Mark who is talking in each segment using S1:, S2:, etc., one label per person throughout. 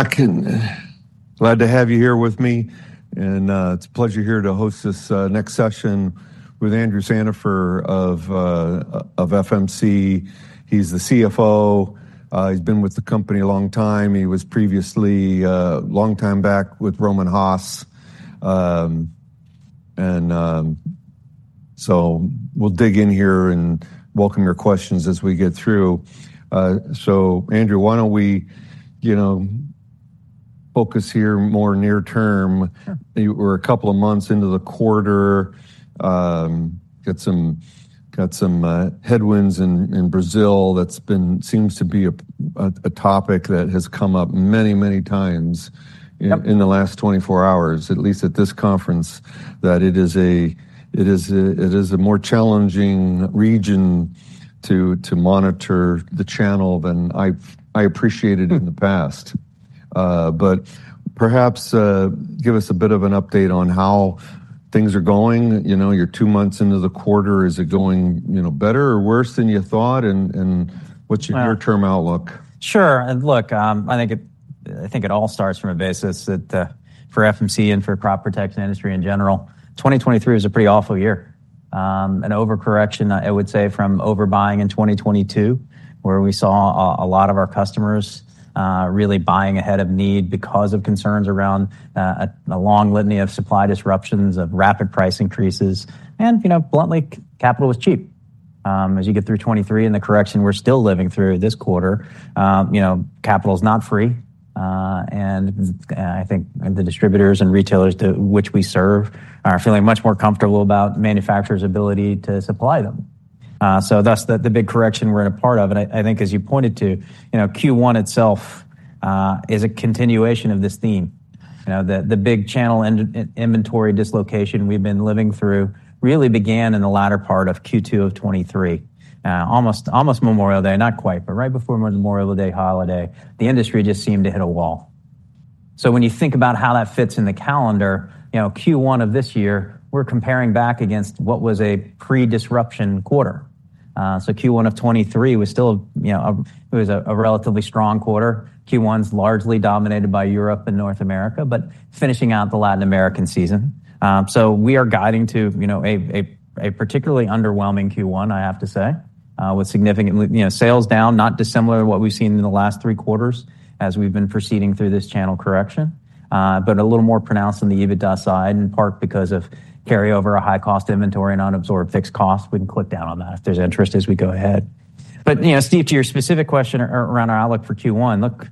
S1: I can. Glad to have you here with me, and, it's a pleasure here to host this, next session with Andrew Sandifer of, of FMC. He's the CFO. He's been with the company a long time. He was previously, long time back with Rohm and Haas. And, so we'll dig in here and welcome your questions as we get through. So Andrew, why don't we, you know, focus here more near term?
S2: Sure.
S1: You were a couple of months into the quarter, got some headwinds in Brazil. That's been, seems to be a topic that has come up many, many times-
S2: Yep
S1: In the last 24 hours, at least at this conference, that it is a more challenging region to monitor the channel than I've appreciated in the past. But perhaps give us a bit of an update on how things are going. You know, you're two months into the quarter. Is it going, you know, better or worse than you thought, and what's your near-term outlook?
S2: Sure. And look, I think it all starts from a basis that, for FMC and for crop protection industry in general, 2023 was a pretty awful year. An overcorrection, I would say, from overbuying in 2022, where we saw a lot of our customers really buying ahead of need because of concerns around a long litany of supply disruptions, of rapid price increases, and, you know, bluntly, capital was cheap. As you get through 2023, and the correction we're still living through this quarter, you know, capital is not free. And I think the distributors and retailers to which we serve are feeling much more comfortable about manufacturers' ability to supply them. So that's the big correction we're in a part of, and I think as you pointed to, you know, Q1 itself is a continuation of this theme. You know, the big channel inventory dislocation we've been living through really began in the latter part of Q2 of 2023. Almost Memorial Day, not quite, but right before Memorial Day holiday, the industry just seemed to hit a wall. So when you think about how that fits in the calendar, you know, Q1 of this year, we're comparing back against what was a pre-disruption quarter. So Q1 of 2023 was still, you know, it was a relatively strong quarter. Q1's largely dominated by Europe and North America, but finishing out the Latin American season. So we are guiding to, you know, a particularly underwhelming Q1, I have to say, with significant, you know, sales down, not dissimilar to what we've seen in the last three quarters as we've been proceeding through this channel correction, but a little more pronounced on the EBITDA side, in part because of carryover, a high cost inventory, and unabsorbed fixed costs. We can click down on that if there's interest as we go ahead. But, you know, Steve, to your specific question around our outlook for Q1, look,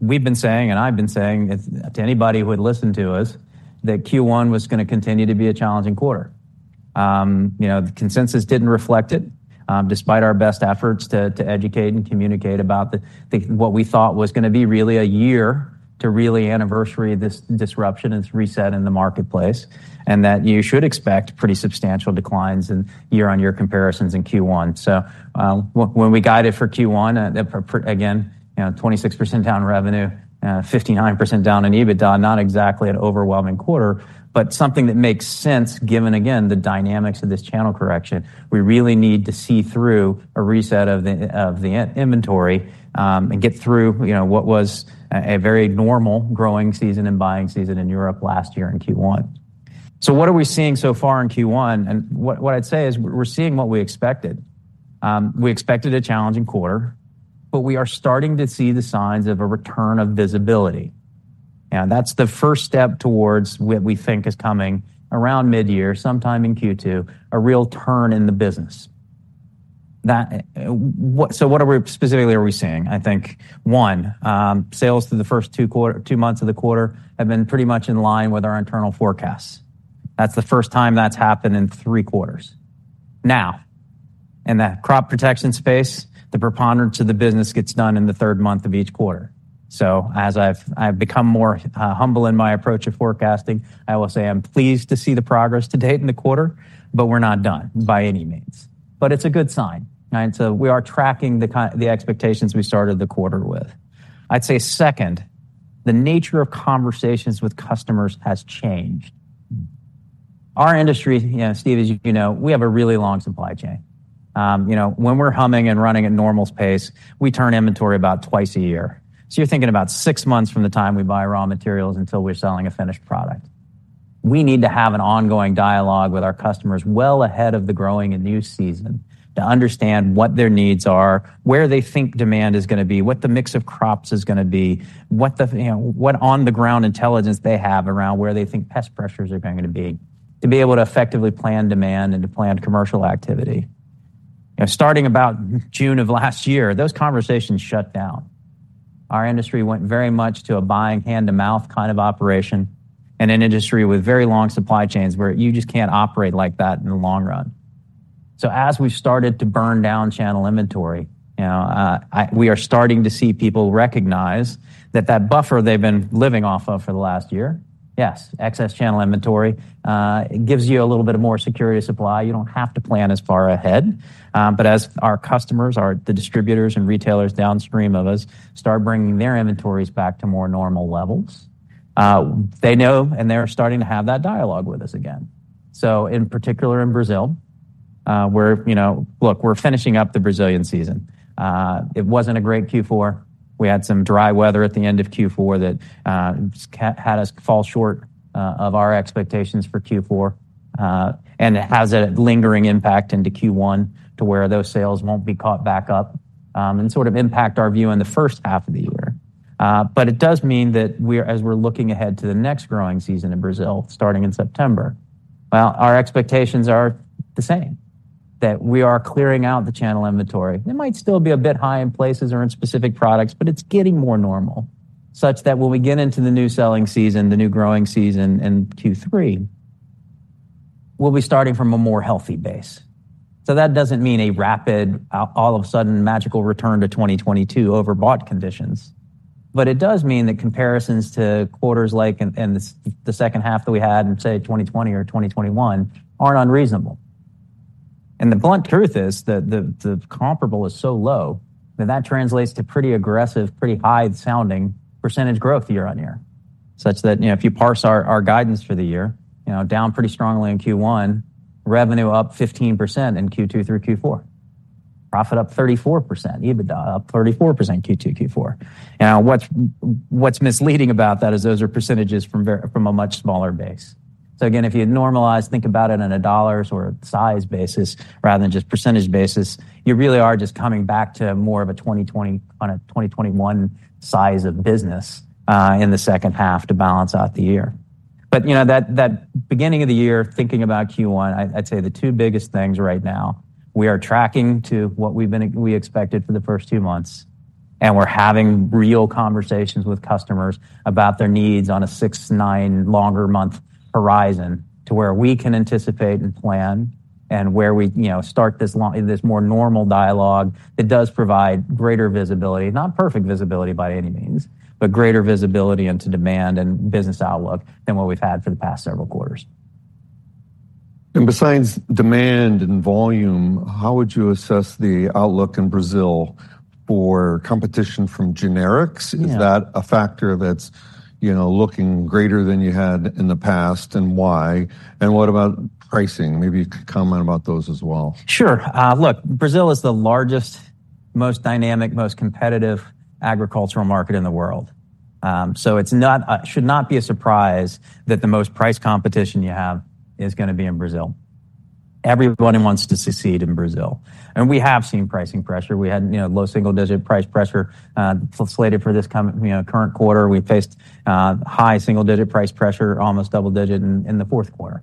S2: we've been saying and I've been saying it to anybody who would listen to us, that Q1 was gonna continue to be a challenging quarter. You know, the consensus didn't reflect it, despite our best efforts to educate and communicate about what we thought was gonna be really a year to really anniversary this disruption and reset in the marketplace, and that you should expect pretty substantial declines in year-on-year comparisons in Q1. So, when we guide it for Q1, again, you know, 26% down revenue, 59% down in EBITDA, not exactly an overwhelming quarter, but something that makes sense, given, again, the dynamics of this channel correction. We really need to see through a reset of the inventory, and get through, you know, what was a very normal growing season and buying season in Europe last year in Q1. So what are we seeing so far in Q1? What I'd say is we're seeing what we expected. We expected a challenging quarter, but we are starting to see the signs of a return of visibility, and that's the first step towards what we think is coming around midyear, sometime in Q2, a real turn in the business. So what specifically are we seeing? I think one, sales through the first two months of the quarter have been pretty much in line with our internal forecasts. That's the first time that's happened in three quarters. Now, in that crop protection space, the preponderance of the business gets done in the third month of each quarter. So as I've become more humble in my approach of forecasting, I will say I'm pleased to see the progress to date in the quarter, but we're not done by any means. It's a good sign, right? We are tracking the kind, the expectations we started the quarter with. I'd say second, the nature of conversations with customers has changed. Our industry, you know, Steve, as you know, we have a really long supply chain. You know, when we're humming and running at normal pace, we turn inventory about twice a year. So you're thinking about six months from the time we buy raw materials until we're selling a finished product. We need to have an ongoing dialogue with our customers well ahead of the growing and new season to understand what their needs are, where they think demand is gonna be, what the mix of crops is gonna be, what the, you know, what on-the-ground intelligence they have around where they think pest pressures are going to be, to be able to effectively plan demand and to plan commercial activity. Starting about June of last year, those conversations shut down. Our industry went very much to a buying hand-to-mouth kind of operation, and an industry with very long supply chains, where you just can't operate like that in the long run. So as we've started to burn down channel inventory, you know, we are starting to see people recognize that that buffer they've been living off of for the last year, yes, excess channel inventory, gives you a little bit of more security of supply. You don't have to plan as far ahead. But as our customers, our the distributors and retailers downstream of us, start bringing their inventories back to more normal levels, they know, and they're starting to have that dialogue with us again. So in particular, in Brazil. We're, you know, look, we're finishing up the Brazilian season. It wasn't a great Q4. We had some dry weather at the end of Q4 that had us fall short of our expectations for Q4, and it has a lingering impact into Q1, to where those sales won't be caught back up, and sort of impact our view in the first half of the year. But it does mean that we're as we're looking ahead to the next growing season in Brazil, starting in September, well, our expectations are the same, that we are clearing out the channel inventory. It might still be a bit high in places or in specific products, but it's getting more normal, such that when we get into the new selling season, the new growing season in Q3, we'll be starting from a more healthy base. So that doesn't mean a rapid, all of a sudden, magical return to 2022 overbought conditions, but it does mean that comparisons to quarters like in the second half that we had in, say, 2020 or 2021 aren't unreasonable. And the blunt truth is that the comparable is so low that that translates to pretty aggressive, pretty high-sounding percentage growth year-over-year. Such that, you know, if you parse our guidance for the year, you know, down pretty strongly in Q1, revenue up 15% in Q2 through Q4. Profit up 34%. EBITDA up 34%, Q2 to Q4. Now, what's misleading about that is those are percentages from from a much smaller base. So again, if you normalize, think about it on a dollars or size basis rather than just percentage basis, you really are just coming back to more of a 2020 on a 2021 size of business in the second half to balance out the year. But, you know, that beginning of the year, thinking about Q1, I'd say the two biggest things right now, we are tracking to what we've been expecting for the first two months, and we're having real conversations with customers about their needs on a six, nine, longer month horizon to where we can anticipate and plan and where we, you know, start this longer—this more normal dialogue that does provide greater visibility. Not perfect visibility by any means, but greater visibility into demand and business outlook than what we've had for the past several quarters.
S1: Besides demand and volume, how would you assess the outlook in Brazil for competition from generics?
S2: Yeah.
S1: Is that a factor that's, you know, looking greater than you had in the past, and why? And what about pricing? Maybe you could comment about those as well.
S2: Sure. Look, Brazil is the largest, most dynamic, most competitive agricultural market in the world. So it's not. It should not be a surprise that the most price competition you have is gonna be in Brazil. Everybody wants to succeed in Brazil, and we have seen pricing pressure. We had, you know, low single-digit price pressure slated for this coming, you know, current quarter. We faced high single-digit price pressure, almost double digit, in the fourth quarter.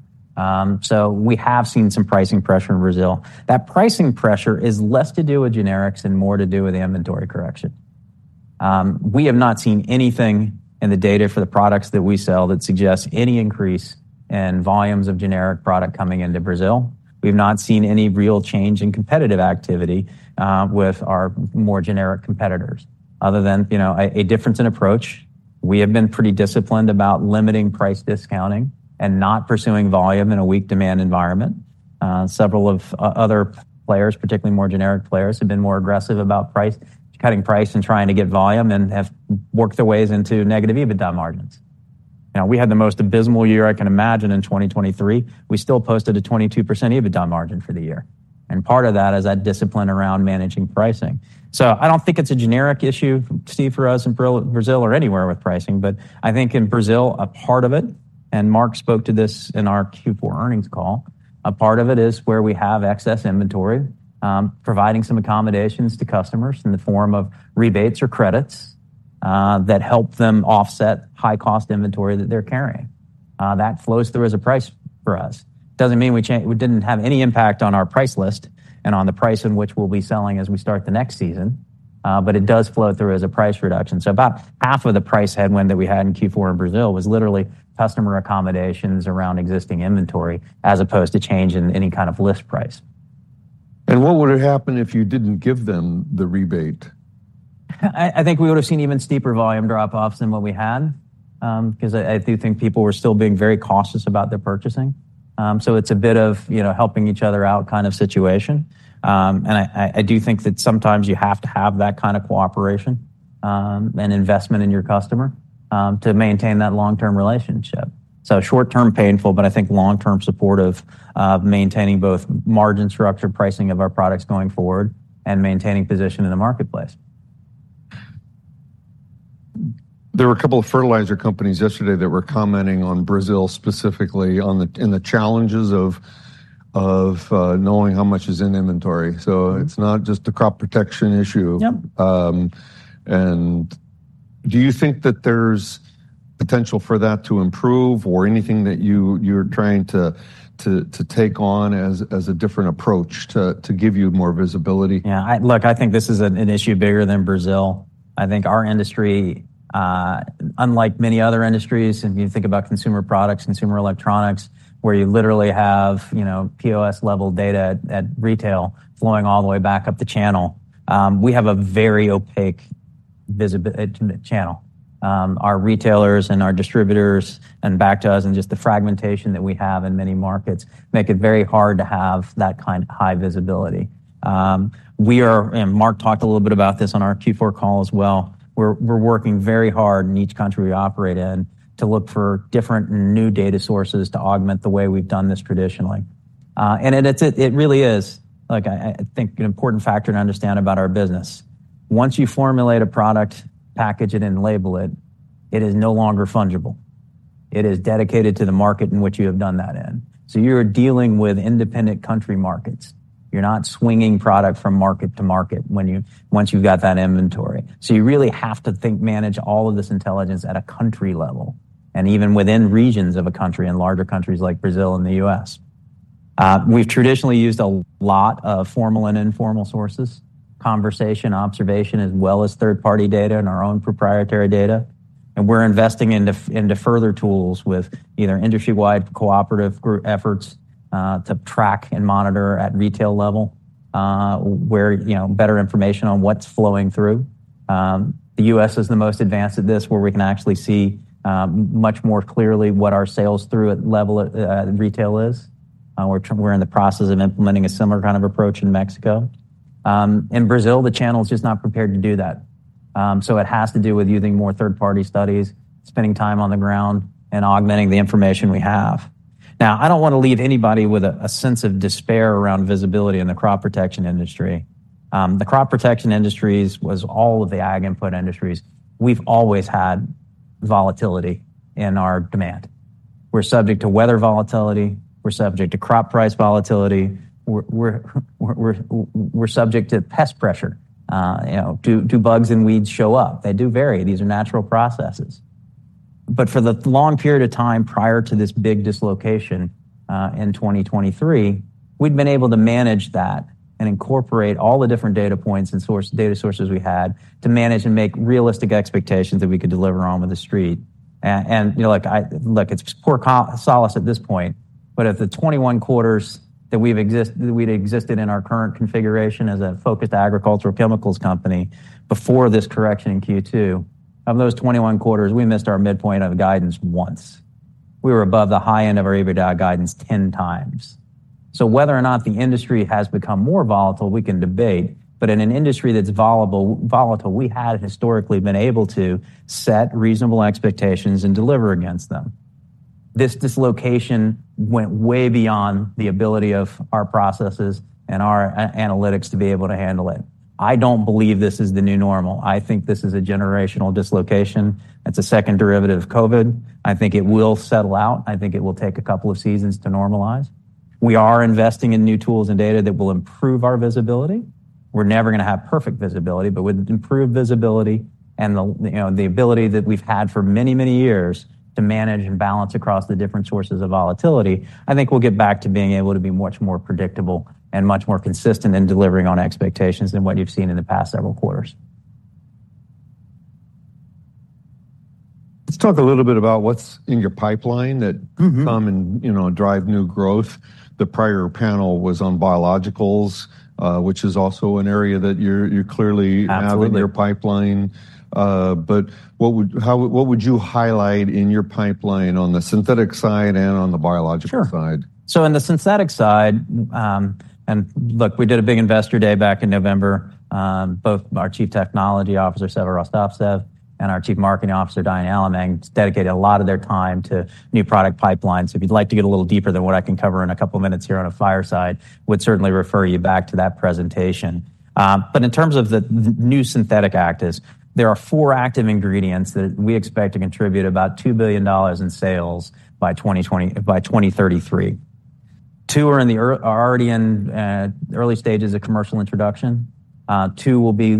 S2: So we have seen some pricing pressure in Brazil. That pricing pressure is less to do with generics and more to do with the inventory correction. We have not seen anything in the data for the products that we sell that suggests any increase in volumes of generic product coming into Brazil. We've not seen any real change in competitive activity with our more generic competitors, other than, you know, a difference in approach. We have been pretty disciplined about limiting price discounting and not pursuing volume in a weak demand environment. Several other players, particularly more generic players, have been more aggressive about price, cutting price and trying to get volume, and have worked their ways into negative EBITDA margins. Now, we had the most abysmal year I can imagine in 2023. We still posted a 22% EBITDA margin for the year, and part of that is that discipline around managing pricing. So I don't think it's a generic issue, Steve, for us in Brazil or anywhere with pricing, but I think in Brazil, a part of it, and Mark spoke to this in our Q4 earnings call, a part of it is where we have excess inventory, providing some accommodations to customers in the form of rebates or credits, that help them offset high-cost inventory that they're carrying. That flows through as a price for us. Doesn't mean we didn't have any impact on our price list and on the price in which we'll be selling as we start the next season, but it does flow through as a price reduction. So about half of the price headwind that we had in Q4 in Brazil was literally customer accommodations around existing inventory, as opposed to change in any kind of list price.
S1: What would have happened if you didn't give them the rebate?
S2: I think we would have seen even steeper volume drop-offs than what we had, because I do think people were still being very cautious about their purchasing. So it's a bit of, you know, helping each other out kind of situation. And I do think that sometimes you have to have that kind of cooperation, and investment in your customer, to maintain that long-term relationship. So short term, painful, but I think long-term support of maintaining both margin structure, pricing of our products going forward and maintaining position in the marketplace.
S1: There were a couple of fertilizer companies yesterday that were commenting on Brazil, specifically on the challenges of knowing how much is in inventory. So it's not just a crop protection issue.
S2: Yep.
S1: And do you think that there's potential for that to improve or anything that you're trying to take on as a different approach to give you more visibility?
S2: Yeah, look, I think this is an issue bigger than Brazil. I think our industry, unlike many other industries, and you think about consumer products, consumer electronics, where you literally have, you know, POS-level data at retail flowing all the way back up the channel, we have a very opaque visibility channel. Our retailers and our distributors and back to us, and just the fragmentation that we have in many markets, make it very hard to have that kind of high visibility. We are, and Mark talked a little bit about this on our Q4 call as well. We're working very hard in each country we operate in to look for different and new data sources to augment the way we've done this traditionally. And it really is, like, I think, an important factor to understand about our business. Once you formulate a product, package it, and label it, it is no longer fungible. It is dedicated to the market in which you have done that in. So you're dealing with independent country markets. You're not swinging product from market to market once you've got that inventory. So you really have to think, manage all of this intelligence at a country level, and even within regions of a country, in larger countries like Brazil and the U.S. We've traditionally used a lot of formal and informal sources, conversation, observation, as well as third-party data and our own proprietary data, and we're investing into further tools with either industry-wide cooperative group efforts to track and monitor at retail level, where, you know, better information on what's flowing through. The U.S. is the most advanced at this, where we can actually see much more clearly what our sales through at level at retail is. We're in the process of implementing a similar kind of approach in Mexico. In Brazil, the channel is just not prepared to do that. So it has to do with using more third-party studies, spending time on the ground, and augmenting the information we have. Now, I don't want to leave anybody with a sense of despair around visibility in the crop protection industry. The crop protection industries, was all of the ag input industries, we've always had volatility in our demand. We're subject to weather volatility, we're subject to crop price volatility, we're subject to pest pressure. You know, do bugs and weeds show up? They do vary. These are natural processes. But for the long period of time prior to this big dislocation in 2023, we'd been able to manage that and incorporate all the different data points and source, data sources we had, to manage and make realistic expectations that we could deliver on with the street. And, you know, like, I... Look, it's poor consolation at this point, but of the 21 quarters that we'd existed in our current configuration as a focused agricultural chemicals company before this correction in Q2, of those 21 quarters, we missed our midpoint of guidance once. We were above the high end of our EBITDA guidance 10x. So whether or not the industry has become more volatile, we can debate, but in an industry that's volatile, volatile, we had historically been able to set reasonable expectations and deliver against them. This dislocation went way beyond the ability of our processes and our analytics to be able to handle it. I don't believe this is the new normal. I think this is a generational dislocation. It's a second derivative of COVID. I think it will settle out. I think it will take a couple of seasons to normalize. We are investing in new tools and data that will improve our visibility. We're never gonna have perfect visibility, but with improved visibility and the, you know, the ability that we've had for many, many years to manage and balance across the different sources of volatility, I think we'll get back to being able to be much more predictable and much more consistent in delivering on expectations than what you've seen in the past several quarters.
S1: Let's talk a little bit about what's in your pipeline that-
S2: Mm-hmm
S1: Come and, you know, drive new growth. The prior panel was on biologicals, which is also an area that you're, you're clearly-
S2: Absolutely
S1: have in your pipeline. But what would... How, what would you highlight in your pipeline on the synthetic side and on the biological side?
S2: Sure. So on the synthetic side, And look, we did a big investor day back in November. Both our Chief Technology Officer, Seva Rostovtsev, and our Chief Marketing Officer, Diane Allemang, dedicated a lot of their time to new product pipelines. So if you'd like to get a little deeper than what I can cover in a couple of minutes here on a fireside, would certainly refer you back to that presentation. But in terms of the new synthetic actives, there are four active ingredients that we expect to contribute about $2 billion in sales by 2033. Two are already in early stages of commercial introduction. Two will be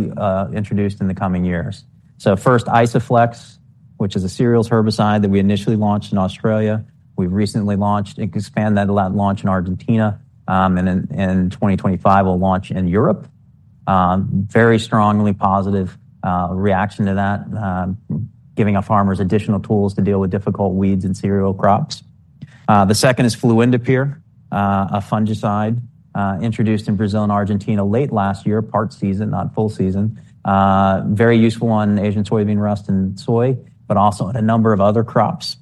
S2: introduced in the coming years. So first, Isoflex, which is a cereals herbicide that we initially launched in Australia. We've recently launched and expanded that launch in Argentina, and in 2025, will launch in Europe. Very strongly positive reaction to that, giving our farmers additional tools to deal with difficult weeds in cereal crops. The second is fluindapyr, a fungicide, introduced in Brazil and Argentina late last year, part season, not full season. Very useful on Asian soybean rust and soy, but also in a number of other crops.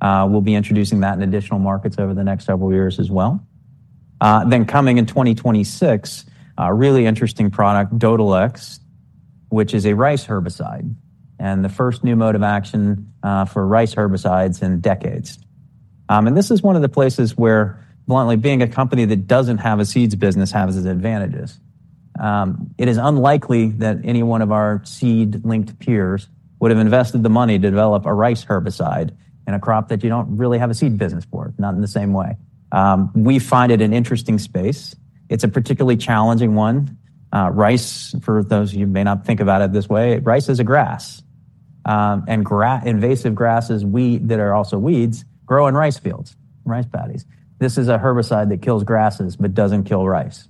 S2: We'll be introducing that in additional markets over the next several years as well. Then coming in 2026, a really interesting product, Dodhylex, which is a rice herbicide, and the first new mode of action for rice herbicides in decades. And this is one of the places where, bluntly, being a company that doesn't have a seeds business has its advantages. It is unlikely that any one of our seed-linked peers would have invested the money to develop a rice herbicide in a crop that you don't really have a seed business for, not in the same way. We find it an interesting space. It's a particularly challenging one. Rice, for those of you who may not think about it this way, rice is a grass, and invasive grasses, weed, that are also weeds, grow in rice fields, rice paddies. This is a herbicide that kills grasses, but doesn't kill rice.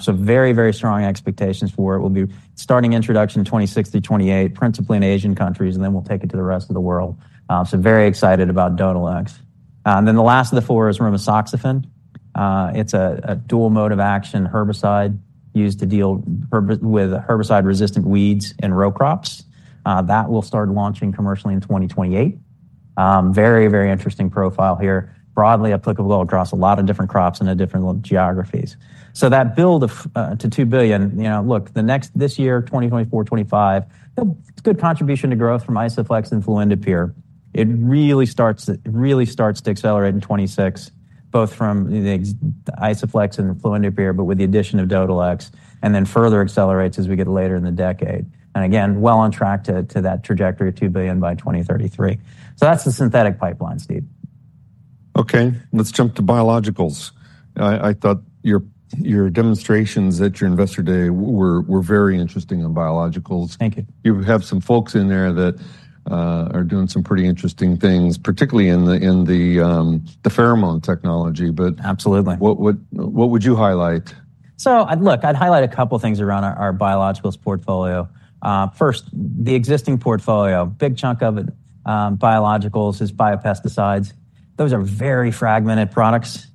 S2: So very, very strong expectations for it. We'll be starting introduction in 2026-2028, principally in Asian countries, and then we'll take it to the rest of the world. So very excited about Dodhylex. And then the last of the four is rimisoxafen. It's a dual mode of action herbicide used to deal with herbicide-resistant weeds in row crops. That will start launching commercially in 2028. Very, very interesting profile here, broadly applicable across a lot of different crops and in different geographies. So that build to $2 billion, you know, look, the next this year, 2024, 2025, the, it's good contribution to growth from Isoflex and fluindapyr. It really starts, it really starts to accelerate in 2026, both from the Isoflex and fluindapyr, but with the addition of Dodhylex, and then further accelerates as we get later in the decade. And again, well on track to that trajectory of $2 billion by 2033. So that's the synthetic pipeline, Steve.
S1: Okay, let's jump to biologicals. I thought your demonstrations at your Investor Day were very interesting on biologicals.
S2: Thank you.
S1: You have some folks in there that are doing some pretty interesting things, particularly in the pheromone technology, but-
S2: Absolutely.
S1: What would you highlight?
S2: So I'd look, I'd highlight a couple of things around our biologicals portfolio. First, the existing portfolio, big chunk of it, biologicals is biopesticides. Those are very fragmented products.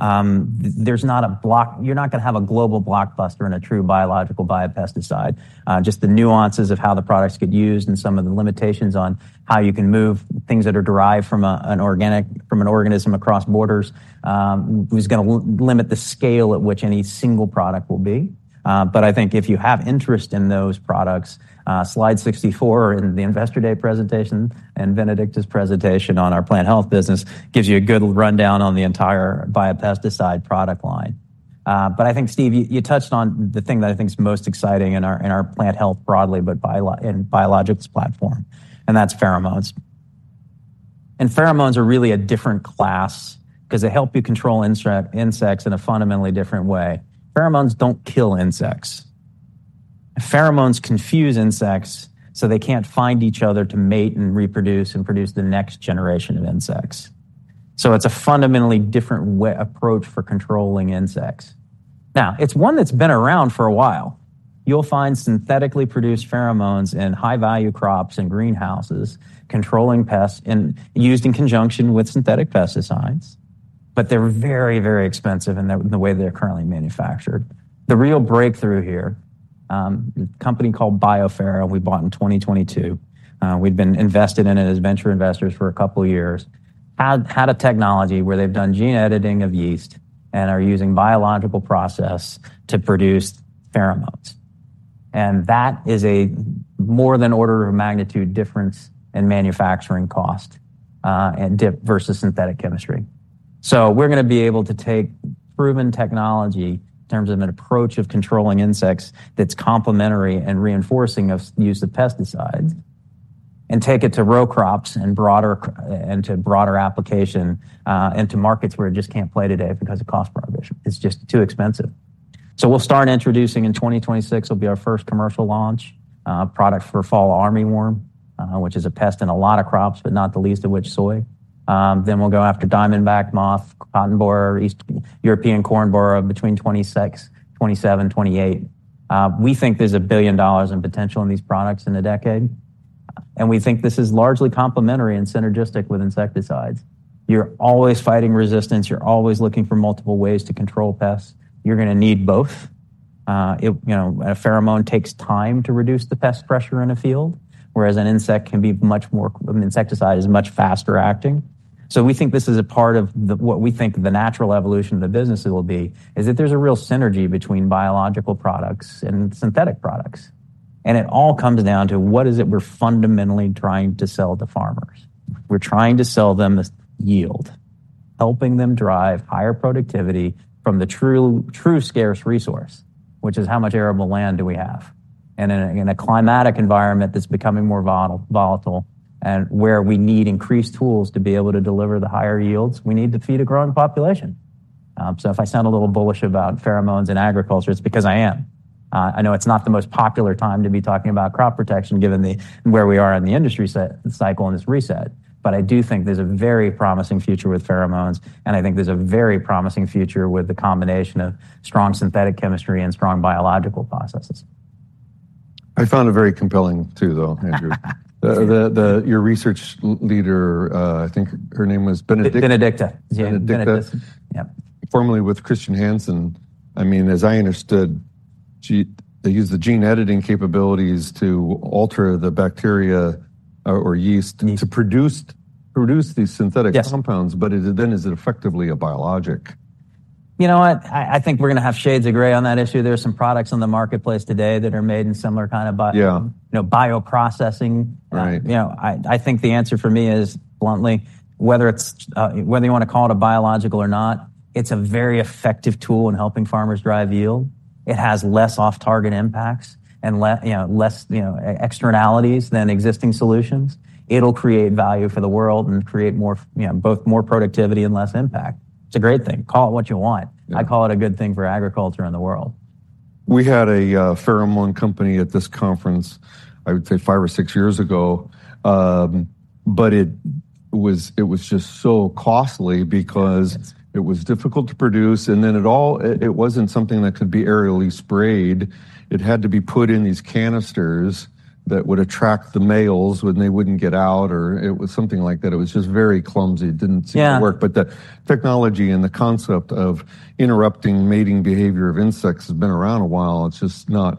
S2: There's not a block. You're not gonna have a global blockbuster in a true biological biopesticide. Just the nuances of how the products get used and some of the limitations on how you can move things that are derived from a, an organic, from an organism across borders, is gonna limit the scale at which any single product will be. But I think if you have interest in those products, slide 64 in the Investor Day presentation and Bénédicte's presentation on our plant health business gives you a good rundown on the entire biopesticide product line. But I think, Steve, you touched on the thing that I think is most exciting in our plant health broadly, but in biologics platform, and that's pheromones. And pheromones are really a different class because they help you control insects in a fundamentally different way. Pheromones don't kill insects. Pheromones confuse insects, so they can't find each other to mate and reproduce and produce the next generation of insects. So it's a fundamentally different way, approach for controlling insects. Now, it's one that's been around for a while. You'll find synthetically produced pheromones in high-value crops and greenhouses, controlling pests and used in conjunction with synthetic pesticides, but they're very, very expensive in the way they're currently manufactured. The real breakthrough here, a company called BioPhero, we bought in 2022, we'd been invested in it as venture investors for a couple of years, had a technology where they've done gene editing of yeast and are using biological process to produce pheromones. And that is more than an order of magnitude difference in manufacturing cost, and vs synthetic chemistry. So we're gonna be able to take proven technology in terms of an approach of controlling insects that's complementary and reinforcing of use of pesticides and take it to row crops and to broader application, and to markets where it just can't play today because of cost prohibition. It's just too expensive. So we'll start introducing in 2026, it'll be our first commercial launch, product for fall armyworm, which is a pest in a lot of crops, but not the least of which, soy. Then we'll go after diamondback moth, cotton bollworm, European corn borer between 2026, 2027, 2028. We think there's $1 billion in potential in these products in a decade, and we think this is largely complementary and synergistic with insecticides. You're always fighting resistance, you're always looking for multiple ways to control pests. You're gonna need both. You know, a pheromone takes time to reduce the pest pressure in a field, whereas an insecticide is much faster acting. So we think this is a part of the—what we think the natural evolution of the business will be, is that there's a real synergy between biological products and synthetic products. And it all comes down to what is it we're fundamentally trying to sell to farmers? We're trying to sell them yield, helping them drive higher productivity from the true, true scarce resource, which is how much arable land do we have? And in a, in a climatic environment that's becoming more volatile, and where we need increased tools to be able to deliver the higher yields we need to feed a growing population. So if I sound a little bullish about pheromones in agriculture, it's because I am. I know it's not the most popular time to be talking about crop protection, given where we are in the industry cycle and its reset, but I do think there's a very promising future with pheromones, and I think there's a very promising future with the combination of strong synthetic chemistry and strong biological processes.
S1: I found it very compelling, too, though, Andrew. The your research leader, I think her name was Bénédicte.
S2: Bénédicte.
S1: Bénédicte?
S2: Yeah.
S1: Formerly with Chr. Hansen. I mean, as I understood, she, they use the gene editing capabilities to alter the bacteria or yeast-
S2: Yes
S1: To produce these synthetic compounds, but is it then effectively a biologic?
S2: You know what? I think we're gonna have shades of gray on that issue. There are some products on the marketplace today that are made in similar kind of bi-
S1: Yeah
S2: you know, bioprocessing.
S1: Right.
S2: You know, I think the answer for me is, bluntly, whether it's whether you want to call it a biological or not, it's a very effective tool in helping farmers drive yield. It has less off-target impacts and, you know, less, you know, externalities than existing solutions. It'll create value for the world and create more, you know, both more productivity and less impact. It's a great thing. Call it what you want.
S1: Yeah.
S2: I call it a good thing for agriculture and the world.
S1: We had a pheromone company at this conference, I would say, five or six years ago. But it was just so costly because-
S2: Yes
S1: It was difficult to produce, and then it wasn't something that could be aerially sprayed. It had to be put in these canisters that would attract the males, and they wouldn't get out, or it was something like that. It was just very clumsy. It didn't seem-
S2: Yeah
S1: to work, but the technology and the concept of interrupting mating behavior of insects has been around a while. It's just not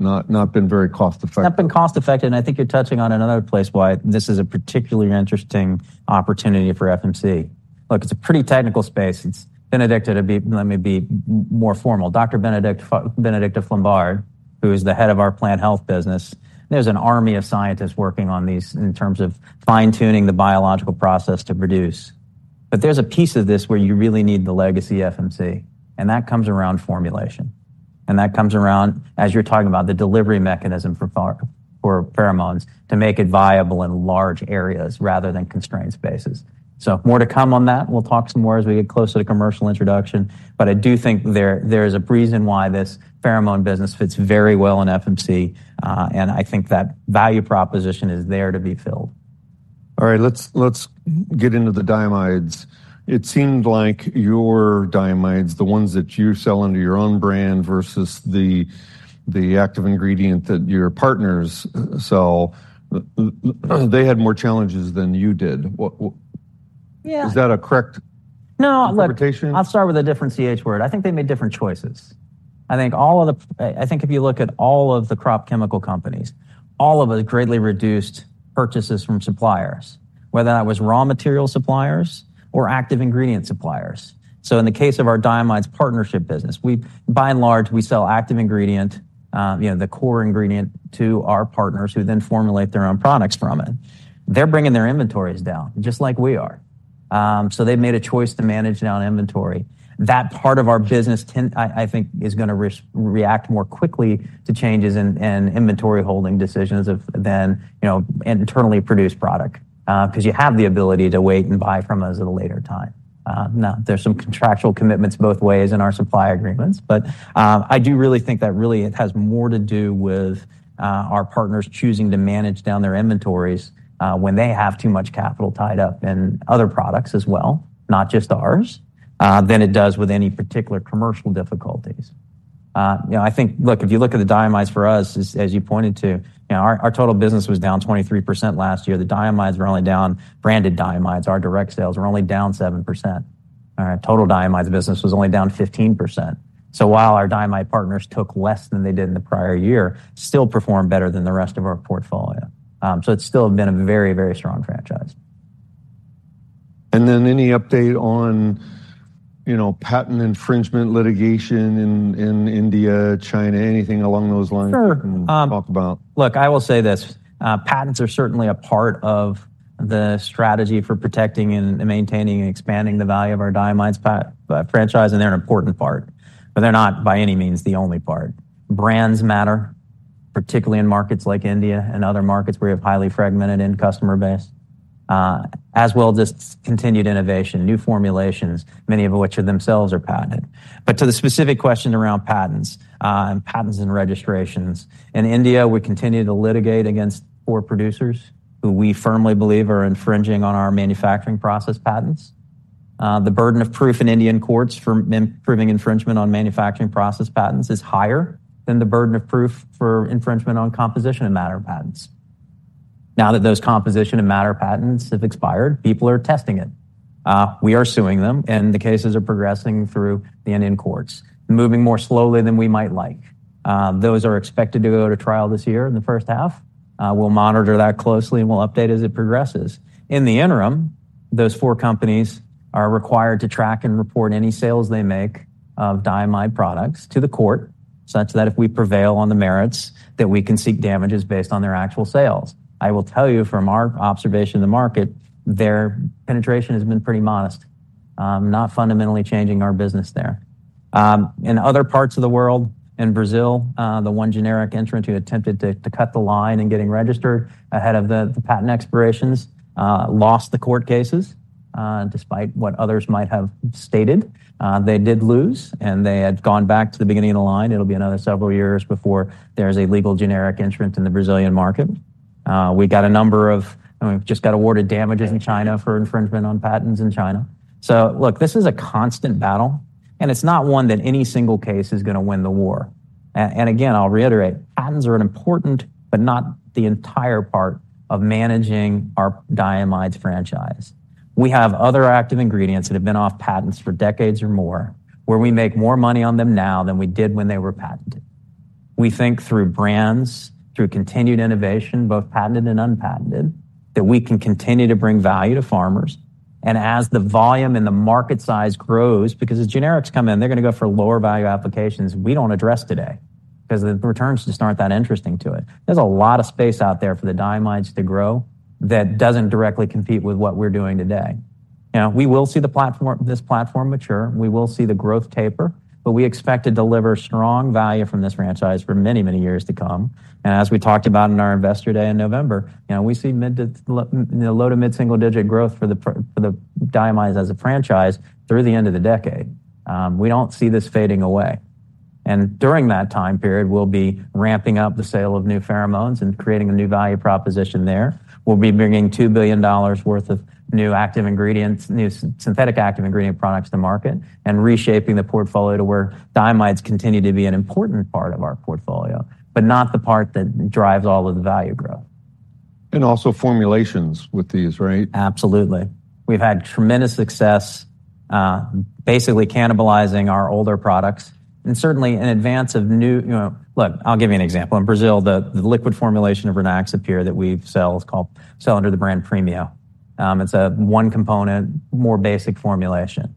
S1: been very cost effective.
S2: Not been cost effective, and I think you're touching on another place why this is a particularly interesting opportunity for FMC. Look, it's a pretty technical space. It's Bénédicte. Let me be more formal. Dr. Bénédicte Flambard, who is the head of our plant health business, there's an army of scientists working on these in terms of fine-tuning the biological process to produce. But there's a piece of this where you really need the legacy FMC, and that comes around formulation, and that comes around, as you're talking about, the delivery mechanism for pheromones to make it viable in large areas rather than constrained spaces. So more to come on that. We'll talk some more as we get closer to commercial introduction, but I do think there is a reason why this pheromone business fits very well in FMC, and I think that value proposition is there to be filled.
S1: All right, let's get into the diamides. It seemed like your diamides, the ones that you sell under your own brand versus the active ingredient that your partners sell, they had more challenges than you did. Wha-
S2: Yeah.
S1: Is that a correct-
S2: No-
S1: Interpretation?
S2: I'll start with a different CH word. I think they made different choices. I think if you look at all of the crop chemical companies, all of us greatly reduced purchases from suppliers, whether that was raw material suppliers or active ingredient suppliers. So in the case of our diamides partnership business, we, by and large, we sell active ingredient, you know, the core ingredient to our partners, who then formulate their own products from it. They're bringing their inventories down, just like we are. So they've made a choice to manage down inventory. That part of our business, I think, is gonna react more quickly to changes in inventory holding decisions than, you know, internally produced product, 'cause you have the ability to wait and buy from us at a later time. Now, there's some contractual commitments both ways in our supplier agreements, but, I do really think that really it has more to do with, our partners choosing to manage down their inventories, when they have too much capital tied up in other products as well, not just ours, than it does with any particular commercial difficulties. You know, I think... Look, if you look at the diamides for us, as you pointed to, you know, our total business was down 23% last year. The diamides were only down, branded diamides, our direct sales, were only down 7%. All right? Total diamides business was only down 15%. So while our diamide partners took less than they did in the prior year, still performed better than the rest of our portfolio. So it's still been a very, very strong franchise.
S1: And then any update on, you know, patent infringement, litigation in India, China, anything along those lines?
S2: Sure
S1: You can talk about?
S2: Look, I will say this: patents are certainly a part of the strategy for protecting and, and maintaining and expanding the value of our diamides franchise, and they're an important part, but they're not, by any means, the only part. Brands matter, particularly in markets like India and other markets where we have highly fragmented end customer base, as well just continued innovation, new formulations, many of which are themselves are patented. But to the specific question around patents, and patents and registrations, in India, we continue to litigate against four producers who we firmly believe are infringing on our manufacturing process patents. The burden of proof in Indian courts for proving infringement on manufacturing process patents is higher than the burden of proof for infringement on composition and matter patents. Now that those composition and matter patents have expired, people are testing it. We are suing them, and the cases are progressing through the Indian courts, moving more slowly than we might like. Those are expected to go to trial this year in the first half. We'll monitor that closely, and we'll update as it progresses. In the interim, those four companies are required to track and report any sales they make of diamide products to the court, such that if we prevail on the merits, that we can seek damages based on their actual sales. I will tell you, from our observation of the market, their penetration has been pretty modest, not fundamentally changing our business there. In other parts of the world, in Brazil, the one generic entrant who attempted to cut the line in getting registered ahead of the patent expirations, lost the court cases, despite what others might have stated. They did lose, and they had gone back to the beginning of the line. It'll be another several years before there's a legal generic entrant in the Brazilian market. We got a number of... And we've just got awarded damages in China for infringement on patents in China. So look, this is a constant battle, and it's not one that any single case is gonna win the war. And again, I'll reiterate, patents are an important but not the entire part of managing our diamides franchise. We have other active ingredients that have been off patents for decades or more, where we make more money on them now than we did when they were patented. We think through brands, through continued innovation, both patented and unpatented, that we can continue to bring value to farmers, and as the volume and the market size grows, because as generics come in, they're gonna go for lower value applications we don't address today because the returns just aren't that interesting to it. There's a lot of space out there for the diamides to grow that doesn't directly compete with what we're doing today. You know, we will see the platform, this platform mature. We will see the growth taper, but we expect to deliver strong value from this franchise for many, many years to come. As we talked about in our Investor Day in November, you know, we see low- to mid-single-digit growth for the diamides as a franchise through the end of the decade. We don't see this fading away. During that time period, we'll be ramping up the sale of new pheromones and creating a new value proposition there. We'll be bringing $2 billion worth of new active ingredients, new synthetic active ingredient products to market and reshaping the portfolio to where diamides continue to be an important part of our portfolio, but not the part that drives all of the value growth.
S1: Also formulations with these, right?
S2: Absolutely. We've had tremendous success, basically cannibalizing our older products, and certainly in advance of new. You know, look, I'll give you an example. In Brazil, the liquid formulation of Rynaxypyr that we sell is called sell under the brand Premio. It's a one-component, more basic formulation.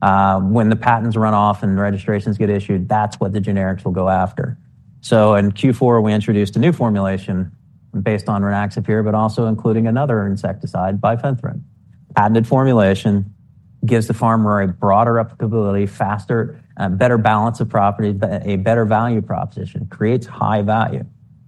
S2: When the patents run off and registrations get issued, that's what the generics will go after. So in Q4, we introduced a new formulation based on Rynaxypyr, but also including another insecticide, bifenthrin. Patented formulation gives the farmer a broader applicability, faster, better balance of property, a better value proposition, creates high value.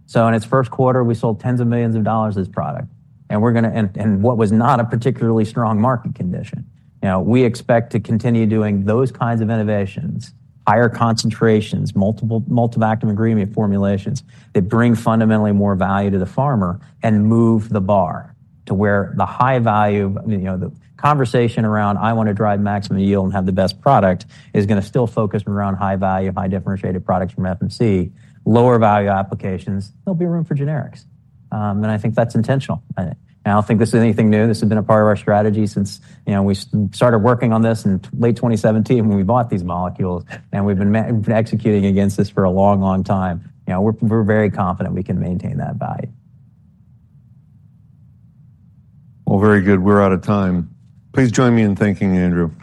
S2: So in its first quarter, we sold tens of millions of dollars of this product, and we're gonna. And what was not a particularly strong market condition. You know, we expect to continue doing those kinds of innovations, higher concentrations, multiple, multiple active ingredient formulations that bring fundamentally more value to the farmer and move the bar to where the high value, you know, the conversation around, "I want to drive maximum yield and have the best product," is gonna still focus around high-value, high-differentiated products from FMC. Lower-value applications, there'll be room for generics, and I think that's intentional. I don't think this is anything new. This has been a part of our strategy since, you know, we started working on this in late 2017 when we bought these molecules, and we've been executing against this for a long, long time. You know, we're very confident we can maintain that value.
S1: Well, very good. We're out of time. Please join me in thanking Andrew.